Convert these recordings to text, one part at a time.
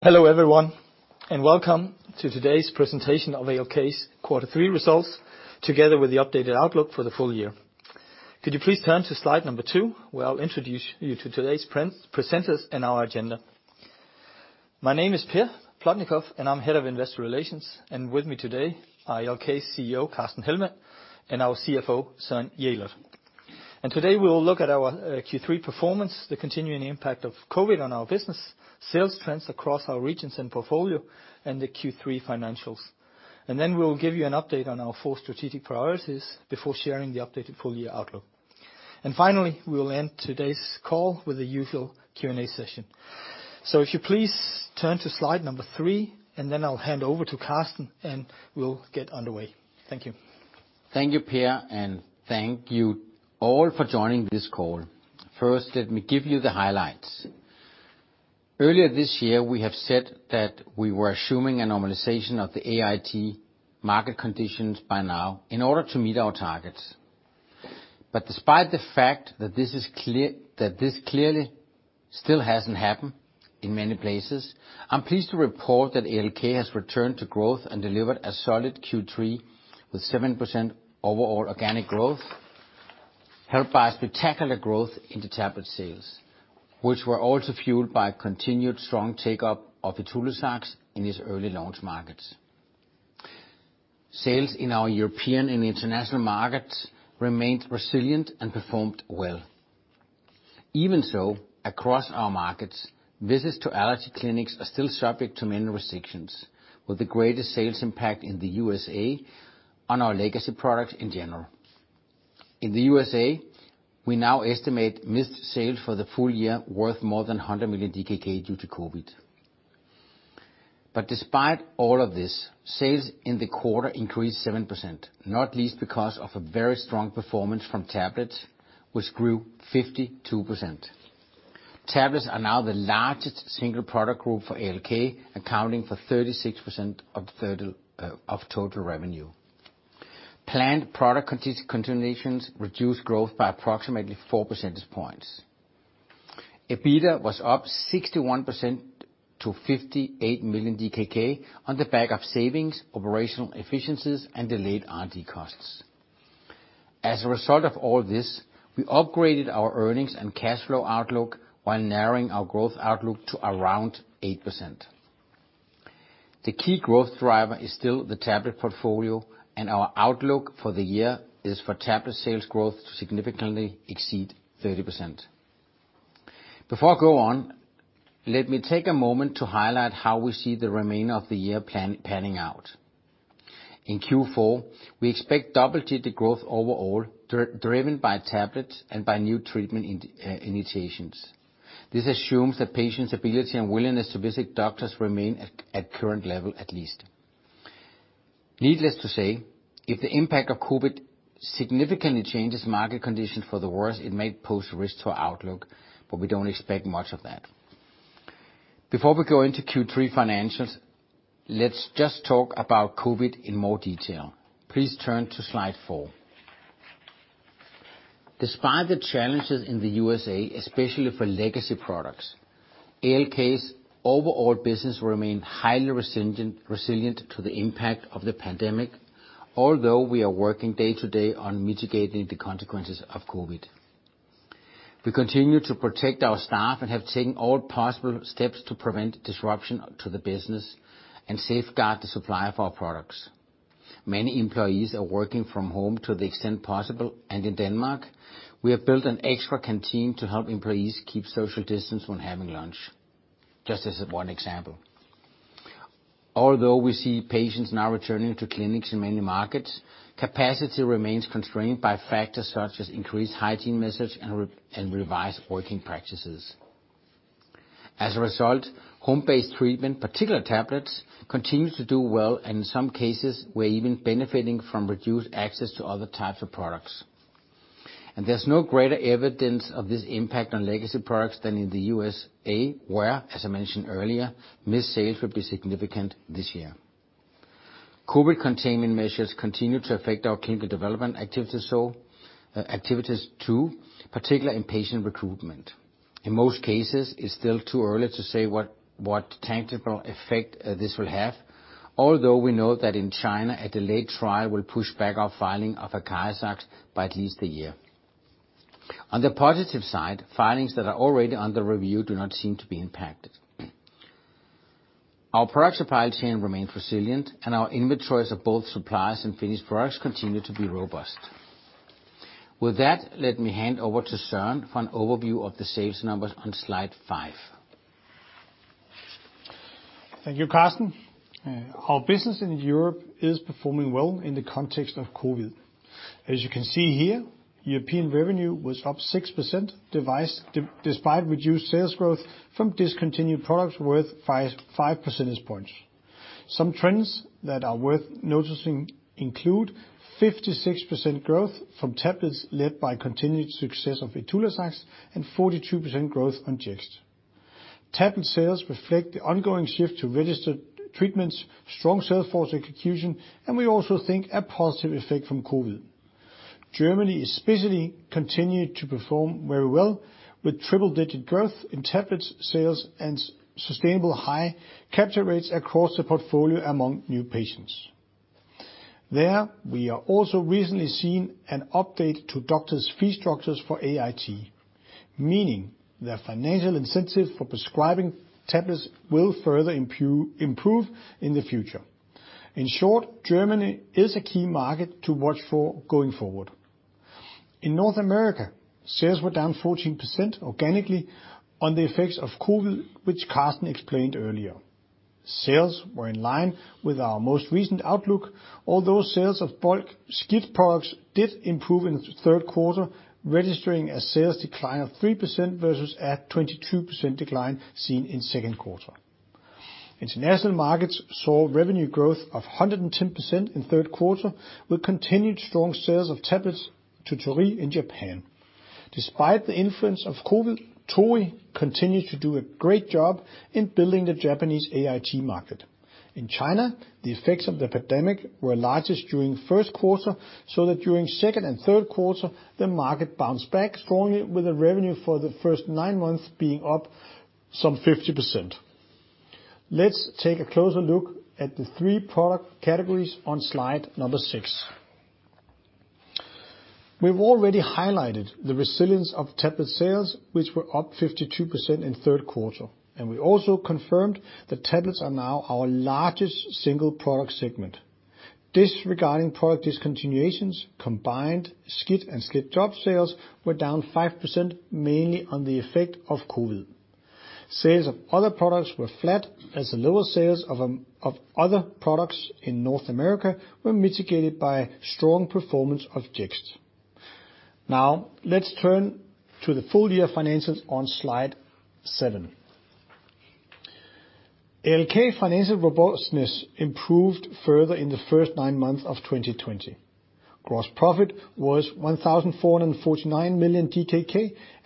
Hello everyone, and welcome to today's presentation of ALK's Quarter Three Results, together with the updated outlook for the full year. Could you please turn to slide number two, where I'll introduce you to today's presenters and our agenda. My name is Per Plotnikof, and I'm Head of Investor Relations, and with me today are ALK's CEO, Carsten Hellmann, and our CFO, Søren Jelert. Today we will look at our Q3 performance, the continuing impact of COVID on our business, sales trends across our regions and portfolio, and the Q3 financials. We will give you an update on our four strategic priorities before sharing the updated full-year outlook. Finally, we will end today's call with the usual Q&A session. If you please turn to slide number three, and then I'll hand over to Carsten, and we'll get underway. Thank you. Thank you, Per, and thank you all for joining this call. First, let me give you the highlights. Earlier this year, we have said that we were assuming a normalization of the AIT market conditions by now in order to meet our targets. But despite the fact that this clearly still hasn't happened in many places, I'm pleased to report that ALK has returned to growth and delivered a solid Q3 with 7% overall organic growth, helped by spectacular growth in the tablet sales, which were also fueled by continued strong take-up of ITULAZAX in its early launch markets. Sales in our European and international markets remained resilient and performed well. Even so, across our markets, visits to ALK clinics are still subject to many restrictions, with the greatest sales impact in the USA on our legacy products in general. In the USA, we now estimate missed sales for the full year worth more than 100 million DKK due to COVID. But despite all of this, sales in the quarter increased 7%, not least because of a very strong performance from tablets, which grew 52%. Tablets are now the largest single product group for ALK, accounting for 36% of total revenue. Planned product continuations reduced growth by approximately four percentage points. EBITDA was up 61% to 58 million DKK on the back of savings, operational efficiencies, and delayed R&D costs. As a result of all this, we upgraded our earnings and cash flow outlook while narrowing our growth outlook to around 8%. The key growth driver is still the tablet portfolio, and our outlook for the year is for tablet sales growth to significantly exceed 30%. Before I go on, let me take a moment to highlight how we see the remainder of the year panning out. In Q4, we expect double-digit growth overall, driven by tablets and by new treatment initiations. This assumes that patients' ability and willingness to visit doctors remain at current level at least. Needless to say, if the impact of COVID-19 significantly changes market conditions for the worse, it may pose a risk to our outlook, but we don't expect much of that. Before we go into Q3 financials, let's just talk about COVID-19 in more detail. Please turn to slide four. Despite the challenges in the USA, especially for legacy products, ALK's overall business remained highly resilient to the impact of the pandemic, although we are working day-to-day on mitigating the consequences of COVID-19. We continue to protect our staff and have taken all possible steps to prevent disruption to the business and safeguard the supply of our products. Many employees are working from home to the extent possible, and in Denmark, we have built an extra canteen to help employees keep social distance when having lunch, just as one example. Although we see patients now returning to clinics in many markets, capacity remains constrained by factors such as increased hygiene measures and revised working practices. As a result, home-based treatment, particularly tablets, continues to do well, and in some cases, we're even benefiting from reduced access to other types of products. And there's no greater evidence of this impact on legacy products than in the USA, where, as I mentioned earlier, missed sales would be significant this year. COVID containment measures continue to affect our clinical development activities too, particularly in patient recruitment. In most cases, it's still too early to say what tangible effect this will have, although we know that in China, a delayed trial will push back our filing of ACARIZAX by at least a year. On the positive side, filings that are already under review do not seem to be impacted. Our products supply chain remains resilient, and our inventories of both supplies and finished products continue to be robust. With that, let me hand over to Søren for an overview of the sales numbers on slide five. Thank you, Carsten. Our business in Europe is performing well in the context of COVID. As you can see here, European revenue was up 6% despite reduced sales growth from discontinued products worth 5 percentage points. Some trends that are worth noticing include 56% growth from tablets led by continued success of ITULAZAX and 42% growth on JEXT. Tablet sales reflect the ongoing shift to registered treatments, strong sales force execution, and we also think a positive effect from COVID. Germany especially continued to perform very well with triple-digit growth in tablet sales and sustainable high capture rates across the portfolio among new patients. There, we have also recently seen an update to doctors' fee structures for AIT, meaning that financial incentives for prescribing tablets will further improve in the future. In short, Germany is a key market to watch for going forward. In North America, sales were down 14% organically on the effects of COVID-19, which Carsten explained earlier. Sales were in line with our most recent outlook, although sales of bulk SCIT products did improve in the third quarter, registering a sales decline of 3% versus a 22% decline seen in the second quarter. International markets saw revenue growth of 110% in the third quarter with continued strong sales of tablets to Torii in Japan. Despite the influence of COVID-19, Torii continues to do a great job in building the Japanese AIT market. In China, the effects of the pandemic were largest during the first quarter, so that during the second and third quarter, the market bounced back strongly, with the revenue for the first nine months being up some 50%. Let's take a closer look at the three product categories on slide number six. We've already highlighted the resilience of tablet sales, which were up 52% in the third quarter, and we also confirmed that tablets are now our largest single product segment. Disregarding product discontinuations, combined SCIT and SLIT sales were down 5%, mainly on the effect of COVID. Sales of other products were flat, as the lower sales of other products in North America were mitigated by strong performance of JEXT. Now, let's turn to the full-year financials on slide seven. ALK financial robustness improved further in the first nine months of 2020. Gross profit was 1,449 million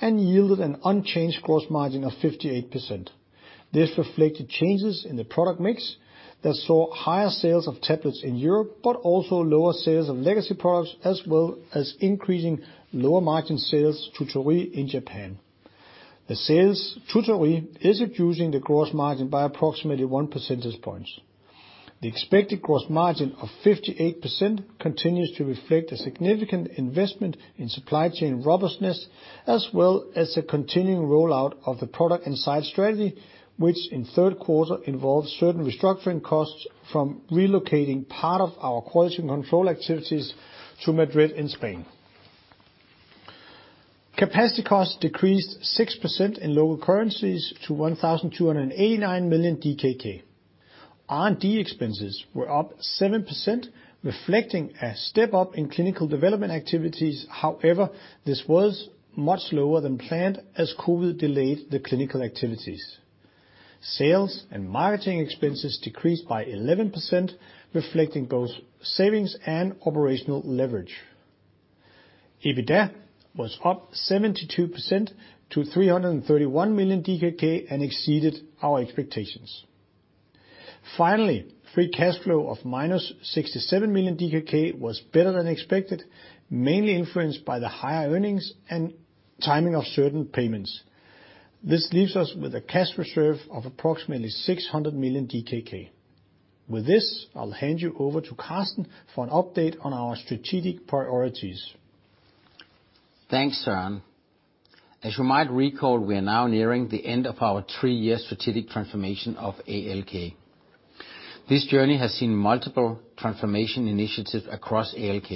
and yielded an unchanged gross margin of 58%. This reflected changes in the product mix that saw higher sales of tablets in Europe, but also lower sales of legacy products, as well as increasing lower margin sales to Torii in Japan. The sales to Torii is reducing the gross margin by approximately one percentage point. The expected gross margin of 58% continues to reflect a significant investment in supply chain robustness, as well as the continuing rollout of the production site strategy, which in the third quarter involved certain restructuring costs from relocating part of our quality control activities to Madrid in Spain. Capacity costs decreased 6% in local currencies to 1,289 million DKK. R&D expenses were up 7%, reflecting a step up in clinical development activities. However, this was much lower than planned as COVID delayed the clinical activities. Sales and marketing expenses decreased by 11%, reflecting both savings and operational leverage. EBITDA was up 72% to 331 million DKK and exceeded our expectations. Finally, free cash flow of -67 million DKK was better than expected, mainly influenced by the higher earnings and timing of certain payments. This leaves us with a cash reserve of approximately 600 million DKK. With this, I'll hand you over to Carsten for an update on our strategic priorities. Thanks, Søren. As you might recall, we are now nearing the end of our three-year strategic transformation of ALK. This journey has seen multiple transformation initiatives across ALK.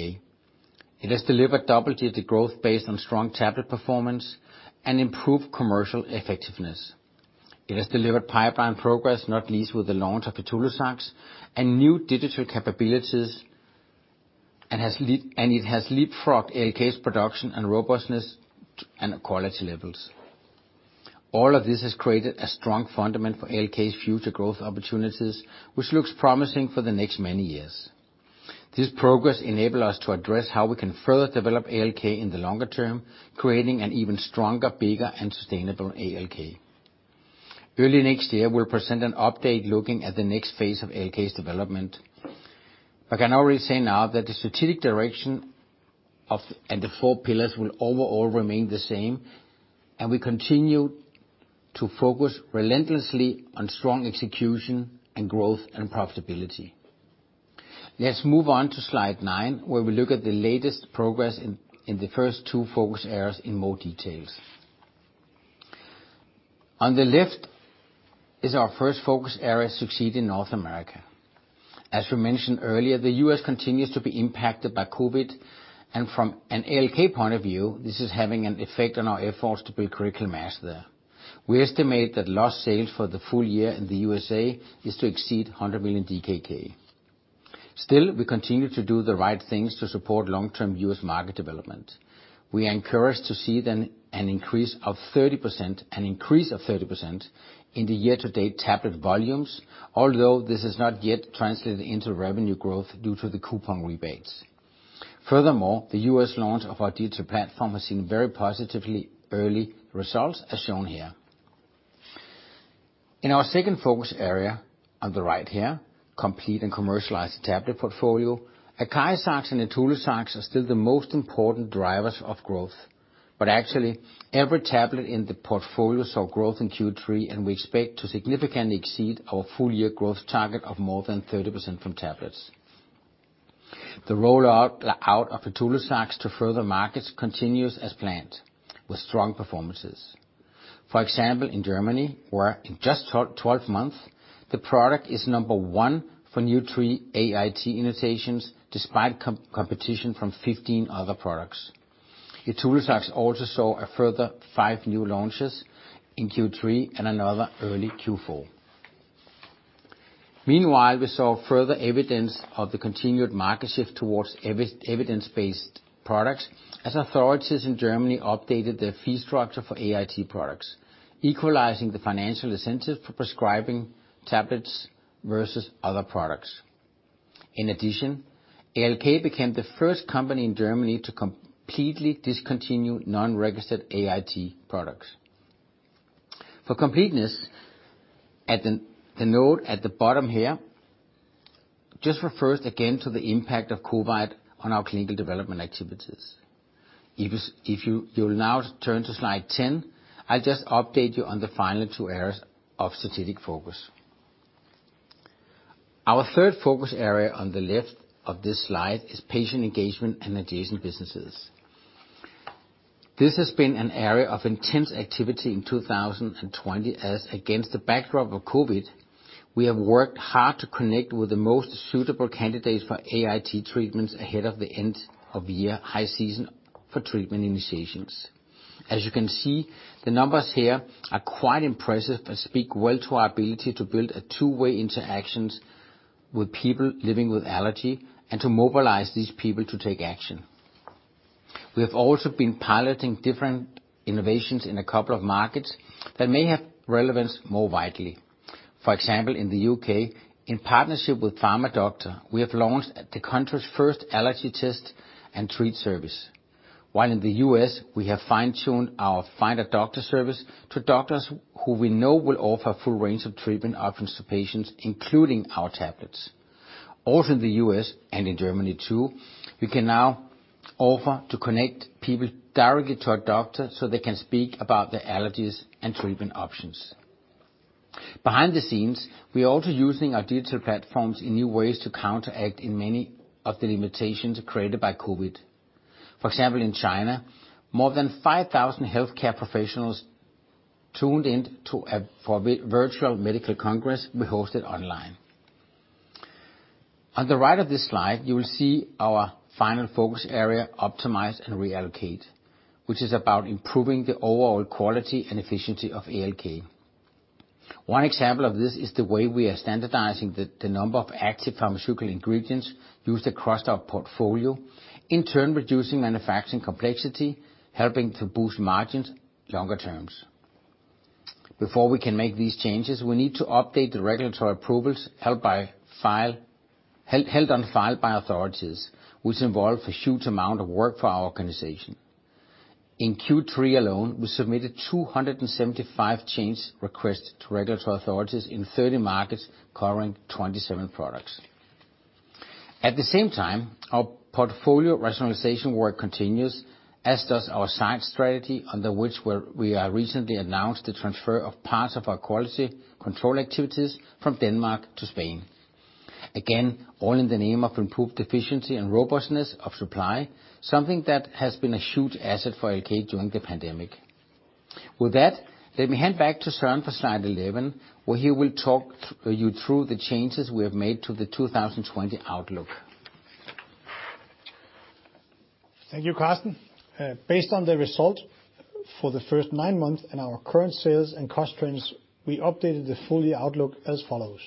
It has delivered double-digit growth based on strong tablet performance and improved commercial effectiveness. It has delivered pipeline progress, not least with the launch of ITULAZAX and new digital capabilities, and it has leapfrogged ALK's production and robustness and quality levels. All of this has created a strong fundament for ALK's future growth opportunities, which looks promising for the next many years. This progress enables us to address how we can further develop ALK in the longer term, creating an even stronger, bigger, and sustainable ALK. Early next year, we'll present an update looking at the next phase of ALK's development. I can already say now that the strategic direction and the four pillars will overall remain the same, and we continue to focus relentlessly on strong execution and growth and profitability. Let's move on to slide 9, where we look at the latest progress in the first two focus areas in more detail. On the left is our first focus area succeeding in North America. As we mentioned earlier, the U.S. continues to be impacted by COVID, and from an ALK point of view, this is having an effect on our efforts to build commercial mastery. We estimate that lost sales for the full year in the USA is to exceed 100 million DKK. Still, we continue to do the right things to support long-term U.S. market development. We are encouraged to see an increase of 30%, an increase of 30% in the year-to-date tablet volumes, although this has not yet translated into revenue growth due to the coupon rebates. Furthermore, the U.S. launch of our digital platform has seen very positive early results, as shown here. In our second focus area on the right here, complete and commercialized tablet portfolio, ACARIZAX and ITULAZAX are still the most important drivers of growth, but actually, every tablet in the portfolio saw growth in Q3, and we expect to significantly exceed our full-year growth target of more than 30% from tablets. The rollout of ITULAZAX to further markets continues as planned, with strong performances. For example, in Germany, where in just 12 months, the product is number one for new tree AIT inotations despite competition from 15 other products. ITULAZAX also saw a further five new launches in Q3 and another early Q4. Meanwhile, we saw further evidence of the continued market shift towards evidence-based products as authorities in Germany updated their fee structure for AIT products, equalizing the financial incentives for prescribing tablets versus other products. In addition, ALK became the first company in Germany to completely discontinue non-registered AIT products. For completeness, at the note at the bottom here, just refers again to the impact of COVID on our clinical development activities. If you will now turn to slide 10, I'll just update you on the final two areas of strategic focus. Our third focus area on the left of this slide is patient engagement and adjacent businesses. This has been an area of intense activity in 2020 as, against the backdrop of COVID, we have worked hard to connect with the most suitable candidates for AIT treatments ahead of the end of year high season for treatment initiations. As you can see, the numbers here are quite impressive and speak well to our ability to build a two-way interaction with people living with allergy and to mobilize these people to take action. We have also been piloting different innovations in a couple of markets that may have relevance more widely. For example, in the U.K., in partnership with Pharmadoctor, we have launched the country's first allergy test and treat service. While in the U.S., we have fine-tuned our Find a Doctor service to doctors who we know will offer a full range of treatment options to patients, including our tablets. Also in the U.S. and in Germany too, we can now offer to connect people directly to a doctor so they can speak about their allergies and treatment options. Behind the scenes, we are also using our digital platforms in new ways to counteract many of the limitations created by COVID. For example, in China, more than 5,000 healthcare professionals tuned in for a virtual medical congress we hosted online. On the right of this slide, you will see our final focus area, optimize and reallocate, which is about improving the overall quality and efficiency of ALK. One example of this is the way we are standardizing the number of active pharmaceutical ingredients used across our portfolio, in turn reducing manufacturing complexity, helping to boost margins longer terms. Before we can make these changes, we need to update the regulatory approvals held on file by authorities, which involve a huge amount of work for our organization. In Q3 alone, we submitted 275 change requests to regulatory authorities in 30 markets covering 27 products. At the same time, our portfolio rationalization work continues, as does our site strategy, under which we have recently announced the transfer of parts of our quality control activities from Denmark to Spain. Again, all in the name of improved efficiency and robustness of supply, something that has been a huge asset for ALK during the pandemic. With that, let me hand back to Søren for slide 11, where he will talk you through the changes we have made to the 2020 outlook. Thank you, Carsten. Based on the result for the first nine months and our current sales and cost trends, we updated the full-year outlook as follows.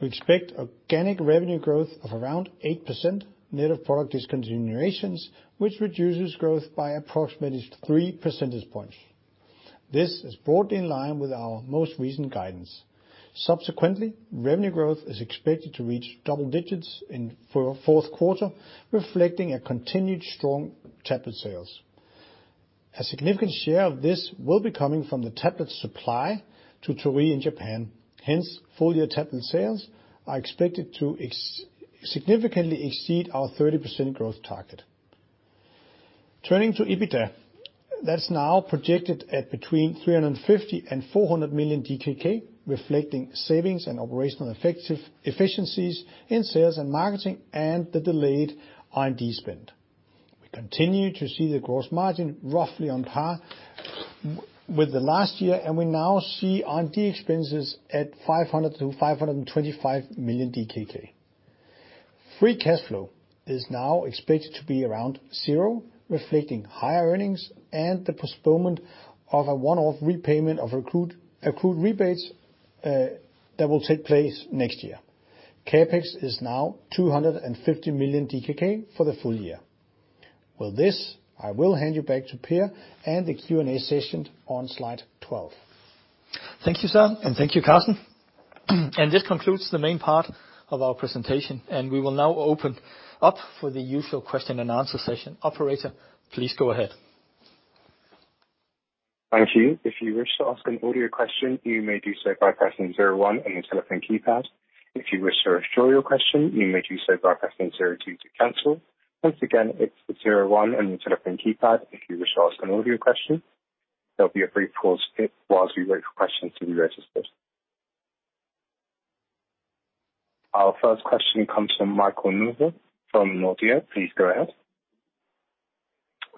We expect organic revenue growth of around 8%, net of product discontinuations, which reduces growth by approximately three percentage points. This is broadly in line with our most recent guidance. Subsequently, revenue growth is expected to reach double digits in the fourth quarter, reflecting a continued strong tablet sales. A significant share of this will be coming from the tablet supply to Torii in Japan. Hence, full-year tablet sales are expected to significantly exceed our 30% growth target. Turning to EBITDA, that's now projected at between 350 million and 400 million DKK, reflecting savings and operational efficiencies in sales and marketing and the delayed R&D spend. We continue to see the gross margin roughly on par with the last year, and we now see R&D expenses at 500 million-525 million DKK. Free cash flow is now expected to be around zero, reflecting higher earnings and the postponement of a one-off repayment of accrued rebates that will take place next year. CapEx is now 250 million DKK for the full year. With this, I will hand you back to Per and the Q&A session on slide 12. Thank you, Søren, and thank you, Carsten. This concludes the main part of our presentation, and we will now open up for the usual question and answer session. Operator, please go ahead. Thank you. If you wish to ask an audio question, you may do so by pressing zero one on the telephone keypad. If you wish to restore your question, you may do so by pressing zero two to cancel. Once again, it's zero one on the telephone keypad. If you wish to ask an audio question, there'll be a brief pause while we wait for questions to be registered. Our first question comes from Michael Novod from Nordea. Please go ahead.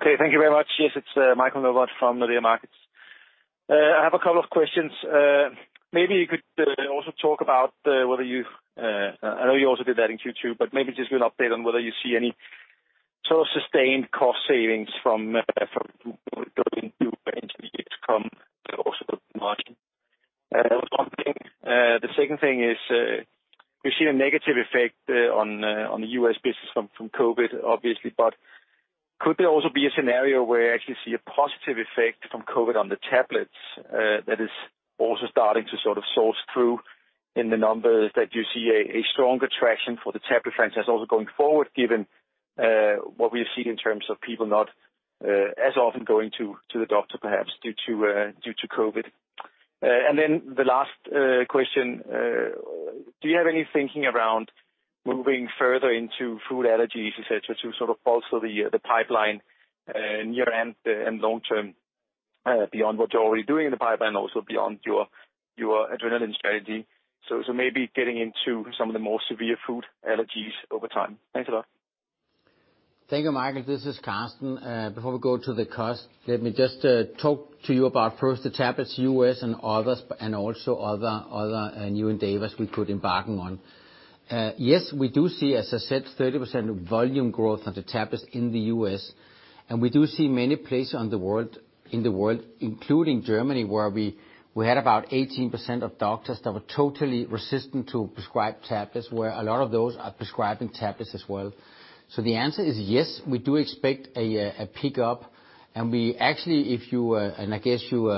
Okay, thank you very much. Yes, it's Michael Novod from Nordea Markets. I have a couple of questions. Maybe you could also talk about whether you—I know you also did that in Q2, but maybe just give an update on whether you see any sort of sustained cost savings from going into the year to come also margin. That was one thing. The second thing is we've seen a negative effect on the U.S. business from COVID, obviously, but could there also be a scenario where you actually see a positive effect from COVID on the tablets that is also starting to sort of source through in the numbers that you see a strong attraction for the tablet franchise also going forward, given what we have seen in terms of people not as often going to the doctor, perhaps due to COVID? And then the last question, do you have any thinking around moving further into food allergies, etc., to sort of bolster the pipeline near and long term beyond what you're already doing in the pipeline, also beyond your adrenaline strategy? So maybe getting into some of the more severe food allergies over time. Thanks a lot. Thank you, Michael. This is Carsten. Before we go to the cost, let me just talk to you about first the tablets U.S. and others and also other new endeavors we could embark on. Yes, we do see, as I said, 30% volume growth on the tablets in the U.S. And we do see many places in the world, including Germany, where we had about 18% of doctors that were totally resistant to prescribe tablets, where a lot of those are prescribing tablets as well. So the answer is yes, we do expect a pickup. And we actually, if you and I guess you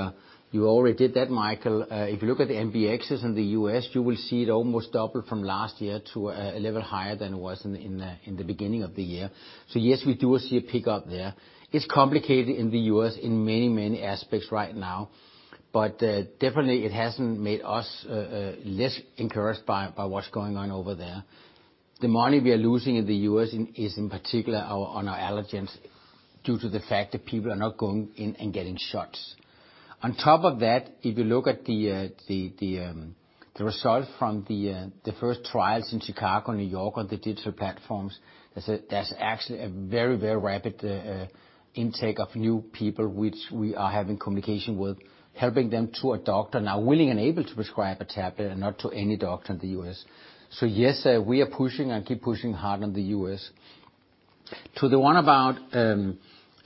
already did that, Michael, if you look at the NBRx in the U.S., you will see it almost doubled from last year to a level higher than it was in the beginning of the year. So yes, we do see a pickup there. It's complicated in the U.S. in many, many aspects right now, but definitely it hasn't made us less encouraged by what's going on over there. The money we are losing in the U.S. is in particular on our allergens due to the fact that people are not going in and getting shots. On top of that, if you look at the result from the first trials in Chicago, New York, on the digital platforms, there's actually a very, very rapid intake of new people which we are having communication with, helping them to a doctor now willing and able to prescribe a tablet and not to any doctor in the U.S. So yes, we are pushing and keep pushing hard in the U.S. To the one about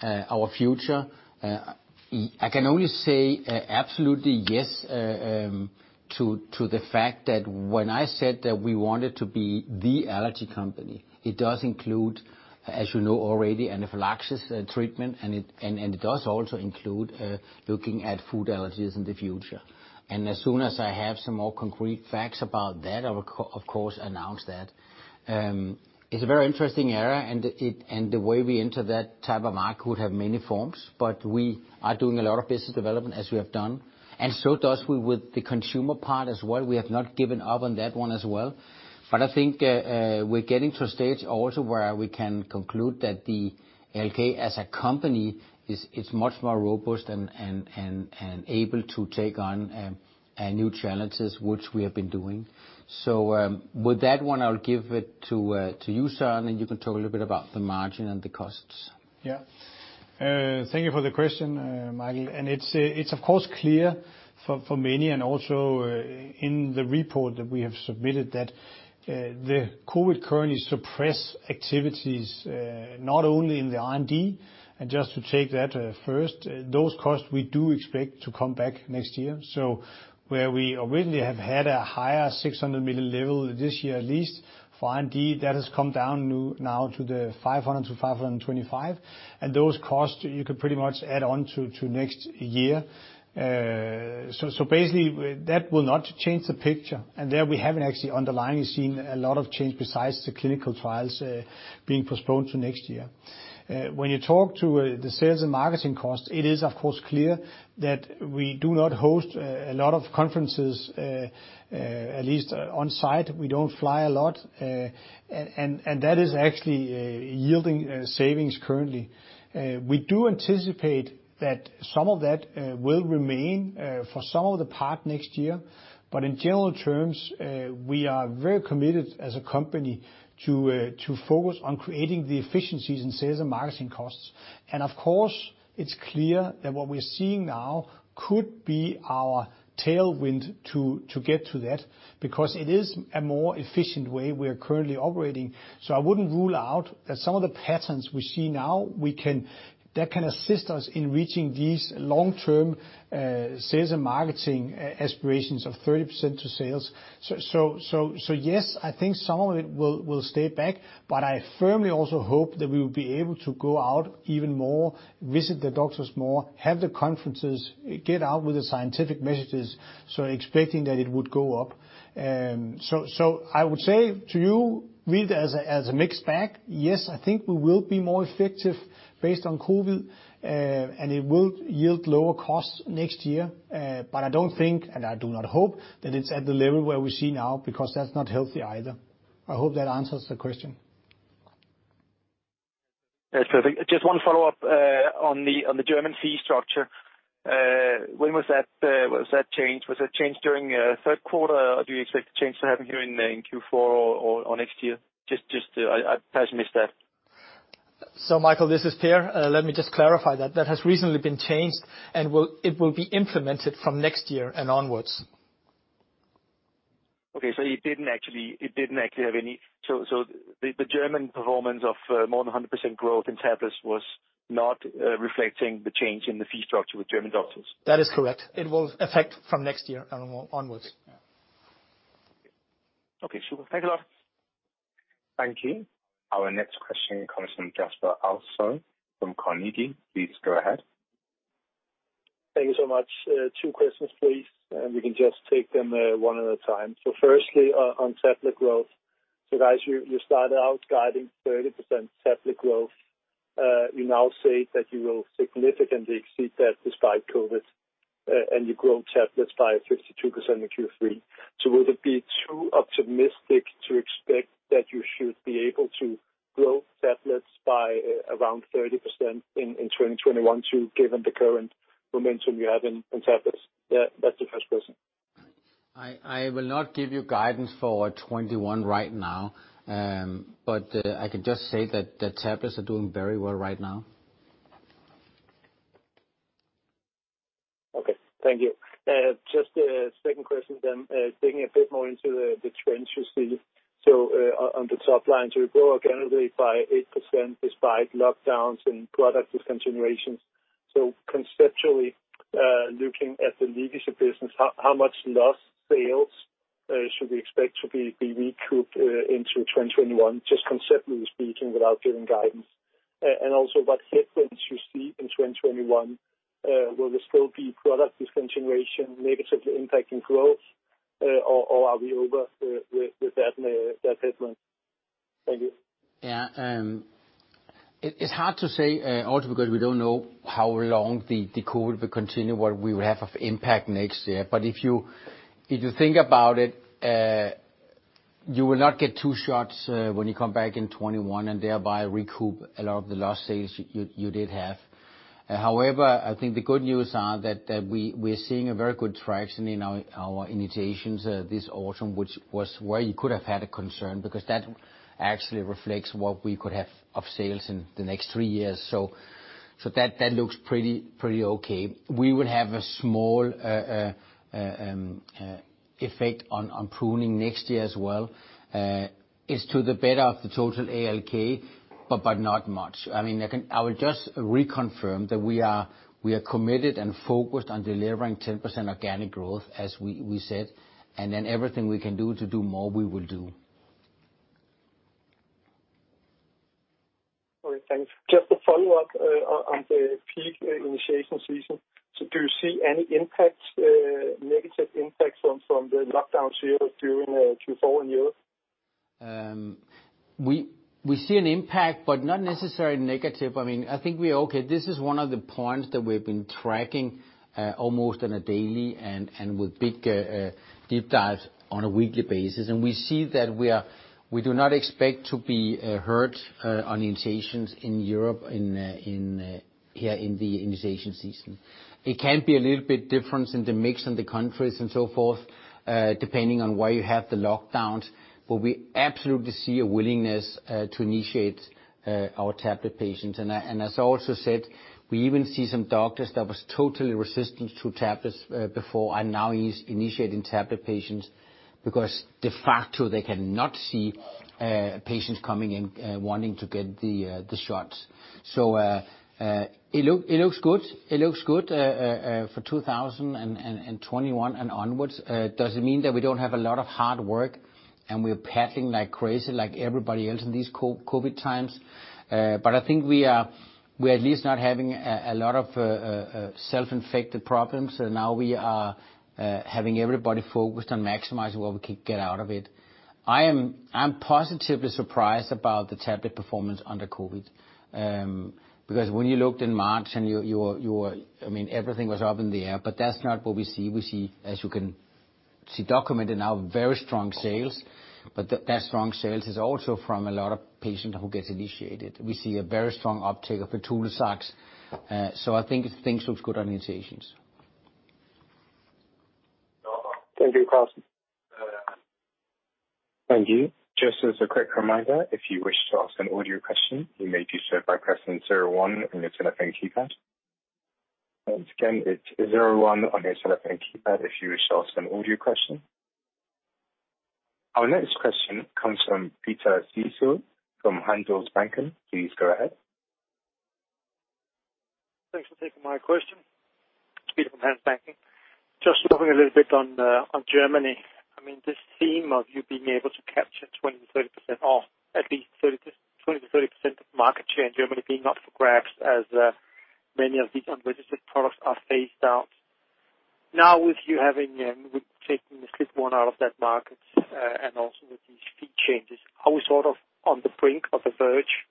our future, I can only say absolutely yes to the fact that when I said that we wanted to be the allergy company, it does include, as you know already, anaphylaxis treatment, and it does also include looking at food allergies in the future. And as soon as I have some more concrete facts about that, I will, of course, announce that. It's a very interesting area, and the way we enter that type of market would have many forms, but we are doing a lot of business development as we have done. And so does with the consumer part as well. We have not given up on that one as well. But I think we're getting to a stage also where we can conclude that the ALK as a company, it's much more robust and able to take on new challenges, which we have been doing. So with that one, I'll give it to you, Søren, and you can talk a little bit about the margin and the costs. Yeah. Thank you for the question, Michael. And it's, of course, clear for many and also in the report that we have submitted that the COVID currently suppress activities, not only in the R&D, and just to take that first, those costs we do expect to come back next year. So where we originally have had a higher 600 million level this year at least for R&D, that has come down now to the 500 million-525 million. And those costs, you could pretty much add on to next year. So basically, that will not change the picture. And there we haven't actually underlying seen a lot of change besides the clinical trials being postponed to next year. When you talk to the sales and marketing cost, it is, of course, clear that we do not host a lot of conferences, at least on site. We don't fly a lot. And that is actually yielding savings currently. We do anticipate that some of that will remain for some of the part next year. But in general terms, we are very committed as a company to focus on creating the efficiencies in sales and marketing costs. And of course, it's clear that what we are seeing now could be our tailwind to get to that because it is a more efficient way we are currently operating. So I wouldn't rule out that some of the patterns we see now, that can assist us in reaching these long-term sales and marketing aspirations of 30% of sales. So yes, I think some of it will stay back, but I firmly also hope that we will be able to go out even more, visit the doctors more, have the conferences, get out with the scientific messages. So expecting that it would go up. So I would say to you, read as a mixed bag, yes, I think we will be more effective based on COVID, and it will yield lower costs next year. But I don't think, and I do not hope that it's at the level where we see now because that's not healthy either. I hope that answers the question. Just one follow-up on the German fee structure. When was that changed? Was that changed during third quarter, or do you expect the change to happen here in Q4 or next year? I presumed that. So Michael, this is Per. Let me just clarify that. That has recently been changed, and it will be implemented from next year and onwards. Okay. So it didn't actually have any. So the German performance of more than 100% growth in tablets was not reflecting the change in the fee structure with German doctors? That is correct. It will affect from next year and onwards. Okay. Super. Thanks a lot. Thank you. Our next question comes from Jesper Ilsøe from Carnegie. Please go ahead. Thank you so much. Two questions, please. And we can just take them one at a time. So firstly, on tablet growth. So guys, you started out guiding 30% tablet growth. You now say that you will significantly exceed that despite COVID, and you grow tablets by 52% in Q3. So would it be too optimistic to expect that you should be able to grow tablets by around 30% in 2021 too, given the current momentum you have in tablets? That's the first question. I will not give you guidance for 2021 right now, but I can just say that the tablets are doing very well right now. Okay. Thank you. Just a second question then, digging a bit more into the trends you see. So on the top line, so we grow organically by 8% despite lockdowns and product discontinuations. So conceptually looking at the leadership business, how much lost sales should we expect to be recouped into 2021, just conceptually speaking, without giving guidance? And also what headwinds you see in 2021? Will there still be product discontinuation negatively impacting growth, or are we over with that headwind? Thank you. Yeah. It's hard to say, also because we don't know how long the COVID will continue, what we will have of impact next year. But if you think about it, you will not get two shots when you come back in 2021 and thereby recoup a lot of the lost sales you did have. However, I think the good news is that we're seeing a very good traction in our initiations this autumn, which was where you could have had a concern because that actually reflects what we could have of sales in the next three years. So that looks pretty okay. We will have a small effect on pruning next year as well. It's to the better of the total ALK, but not much. I mean, I will just reconfirm that we are committed and focused on delivering 10% organic growth, as we said, and then everything we can do to do more, we will do. All right. Thanks. Just to follow up on the peak initiation season, so do you see any impact, negative impact from the lockdowns here during Q4 in Europe? We see an impact, but not necessarily negative. I mean, I think we are okay. This is one of the points that we've been tracking almost on a daily and with big deep dives on a weekly basis. And we see that we do not expect to be hurt on initiations in Europe here in the initiation season. It can be a little bit different in the mix and the countries and so forth, depending on where you have the lockdowns, but we absolutely see a willingness to initiate our tablet patients. And as I also said, we even see some doctors that were totally resistant to tablets before are now initiating tablet patients because de facto they cannot see patients coming in wanting to get the shots. So it looks good. It looks good for 2021 and onwards. Does it mean that we don't have a lot of hard work and we're pedaling like crazy, like everybody else in these COVID times? But I think we are at least not having a lot of self-inflicted problems. So now we are having everybody focused on maximizing what we can get out of it. I am positively surprised about the tablet performance under COVID because when you looked in March and you were, I mean, everything was up in the air, but that's not what we see. We see, as you can see documented now, very strong sales, but that strong sales is also from a lot of patients who get initiated. We see a very strong uptake of the ITULAZAX. So I think things look good on initiations. Thank you, Carsten. Thank you. Just as a quick reminder, if you wish to ask an audio question, you may do so by pressing zero one on your telephone keypad. Once again, it's zero one on your telephone keypad if you wish to ask an audio question. Our next question comes from Peter Sehested from Handelsbanken. Please go ahead. Thanks for taking my question. Peter from Handelsbanken. Just talking a little bit on Germany. I mean, this theme of you being able to capture 20%-30% or at least 20%-30% of market share in Germany being up for grabs as many of these unregistered products are phased out. Now with you having taken a SLITone out of that market and also with these fee changes, are we sort of on the brink of the verge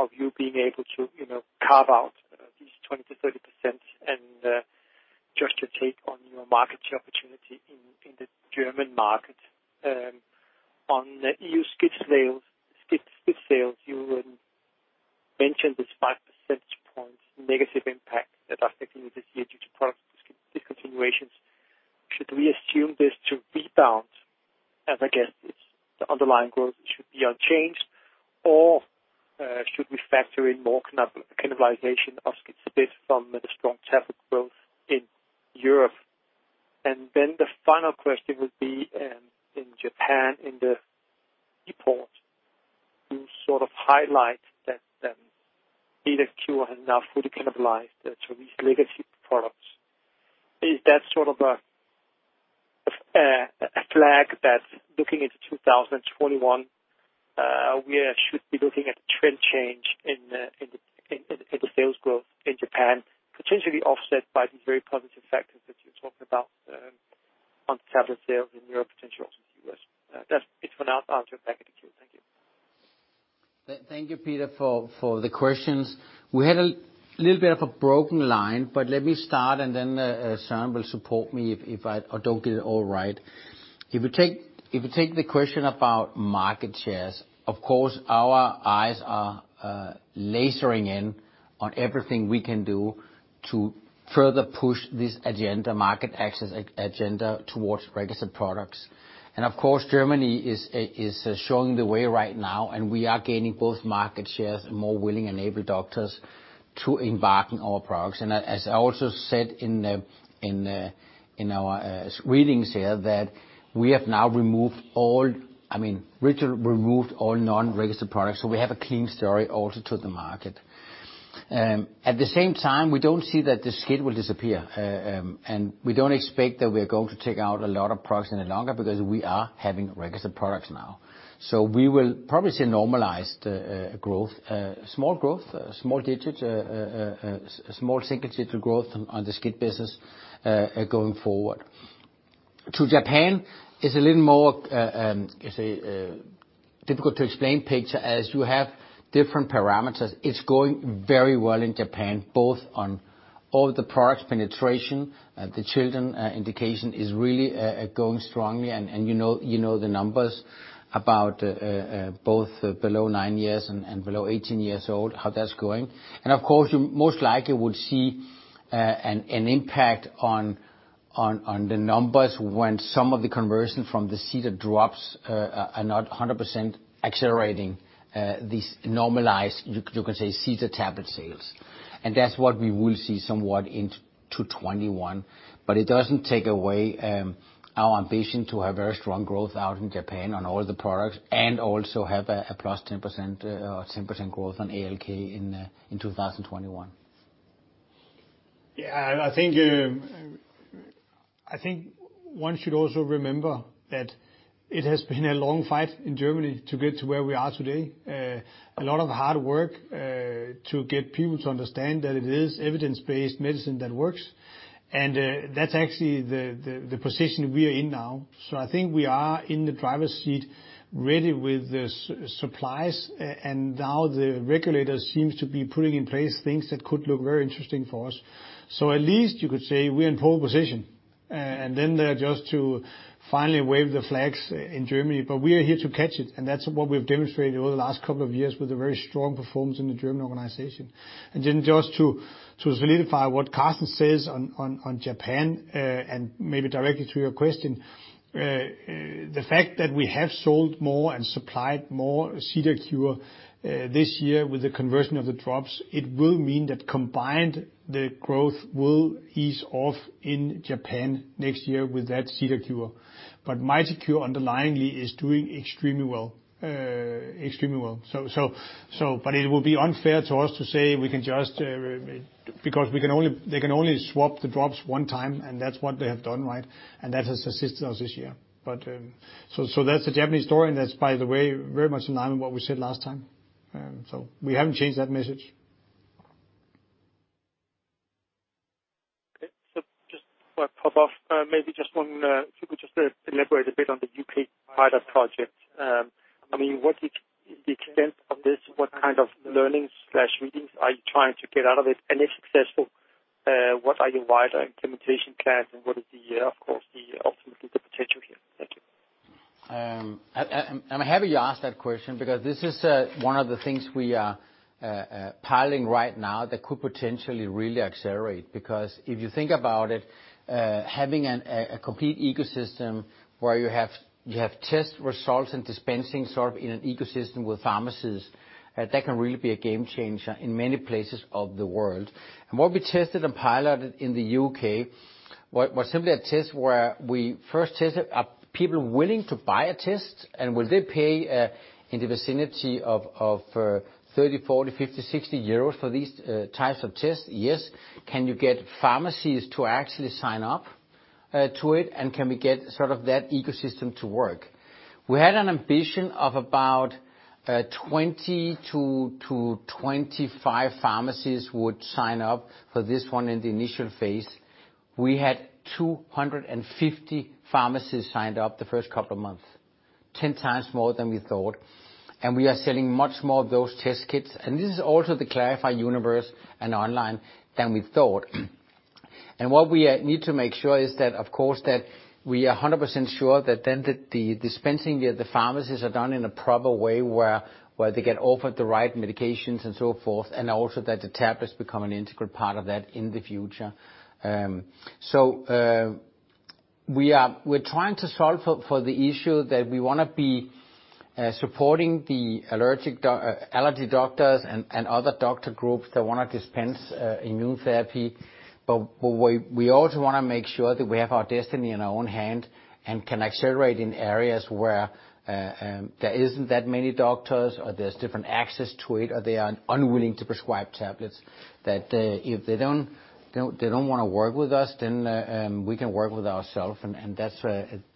of you being able to carve out these 20%-30% and just to take on your market share opportunity in the German market? On EU SCIT sales, you mentioned this five percentage point negative impact that affecting you this year due to product discontinuations. Should we assume this to rebound as I guess the underlying growth should be unchanged, or should we factor in more cannibalization of SCIT space from the strong tablet growth in Europe, and then the final question would be in Japan in the report to sort of highlight that in the Q1 has now fully cannibalized to these legacy products. Is that sort of a flag that looking into 2021, we should be looking at a trend change in the sales growth in Japan, potentially offset by these very positive factors that you're talking about on tablet sales in Europe, potentially also in the U.S.? That's it for now. I'll turn back to you. Thank you. Thank you, Peter, for the questions. We had a little bit of a broken line, but let me start, and then Søren will support me if I don't get it all right. If we take the question about market shares, of course, our eyes are lasering in on everything we can do to further push this agenda, market access agenda towards registered products. And of course, Germany is showing the way right now, and we are gaining both market shares and more willing and able doctors to embark on our products. And as I also said in our readings here, that we have now removed all, I mean, removed all non-registered products. So we have a clean story also to the market. At the same time, we don't see that the SCIT will disappear. We don't expect that we are going to take out a lot of products any longer because we are having registered products now. So we will probably see a normalized growth, small growth, small digits, small single digit growth on the SCIT business going forward. To Japan, it's a little more difficult to explain picture as you have different parameters. It's going very well in Japan, both on all the products penetration, and the children indication is really going strongly. You know the numbers about both below nine years and below 18 years old, how that's going. Of course, you most likely would see an impact on the numbers when some of the conversion from the CEDAR drops are not 100% accelerating these normalized, you can say, CEDAR tablet sales. That's what we will see somewhat into 2021. But it doesn't take away our ambition to have very strong growth out in Japan on all the products and also have a plus 10% or 10% growth on ALK in 2021. Yeah. I think one should also remember that it has been a long fight in Germany to get to where we are today. A lot of hard work to get people to understand that it is evidence-based medicine that works. And that's actually the position we are in now. So I think we are in the driver's seat ready with the supplies, and now the regulator seems to be putting in place things that could look very interesting for us. So at least you could say we're in pole position. And then they're just to finally wave the flags in Germany, but we are here to catch it. And that's what we've demonstrated over the last couple of years with a very strong performance in the German organization. And then, just to solidify what Carsten says on Japan and maybe directly to your question, the fact that we have sold more and supplied more CEDARCURE this year with the conversion of the drops, it will mean that combined the growth will ease off in Japan next year with that CEDARCURE. But MITICURE underlyingly is doing extremely well. Extremely well. But it will be unfair to us to say we can just because they can only swap the drops one time, and that's what they have done, right? And that has assisted us this year. So that's the Japanese story, and that's, by the way, very much in line with what we said last time. So we haven't changed that message. Okay, so just to follow up, maybe just one if you could just elaborate a bit on the U.K. pilot project. I mean, what is the extent of this? What kind of learnings are you trying to get out of it? And if successful, what are your wider implementation plans and what is, of course, the ultimate potential here? Thank you. I'm happy you asked that question because this is one of the things we are piloting right now that could potentially really accelerate because if you think about it, having a complete ecosystem where you have test results and dispensing sort of in an ecosystem with pharmacies, that can really be a game changer in many places of the world. And what we tested and piloted in the U.K. was simply a test where we first tested people willing to buy a test. And will they pay in the vicinity of 30, 40 euros, 50 euros, 60 euros for these types of tests? Yes. Can you get pharmacies to actually sign up to it? And can we get sort of that ecosystem to work? We had an ambition of about 20 pharmacies-25 pharmacies would sign up for this one in the initial phase. We had 250 pharmacies signed up the first couple of months, 10x more than we thought. And we are selling much more of those test kits. And this is also the Klarify universe and online than we thought. And what we need to make sure is that, of course, that we are 100% sure that then the dispensing via the pharmacies are done in a proper way where they get offered the right medications and so forth, and also that the tablets become an integral part of that in the future. So we're trying to solve for the issue that we want to be supporting the allergy doctors and other doctor groups that want to dispense immune therapy, but we also want to make sure that we have our destiny in our own hand and can accelerate in areas where there isn't that many doctors or there's different access to it or they are unwilling to prescribe tablets. That if they don't want to work with us, then we can work with ourselves. And that's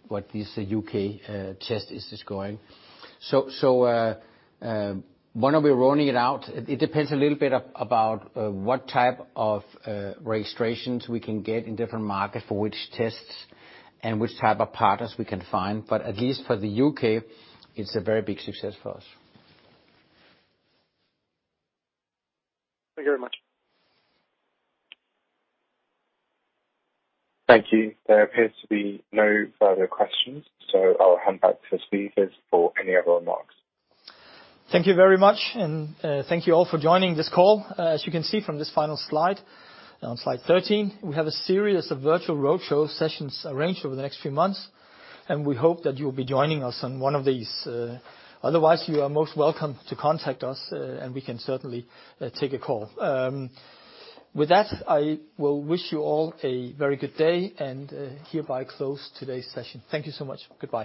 what this U.K. test is going. So when are we rolling it out? It depends a little bit about what type of registrations we can get in different markets for which tests and which type of partners we can find. But at least for the U.K., it's a very big success for us. Thank you very much. Thank you. There appears to be no further questions, so I'll hand back to the speakers for any other remarks. Thank you very much, and thank you all for joining this call. As you can see from this final slide, on slide 13, we have a series of virtual roadshow sessions arranged over the next few months, and we hope that you will be joining us on one of these. Otherwise, you are most welcome to contact us, and we can certainly take a call. With that, I will wish you all a very good day and hereby close today's session. Thank you so much. Goodbye.